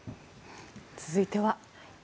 続いては。